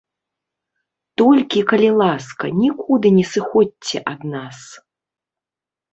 Толькі, калі ласка, нікуды не сыходзьце ад нас.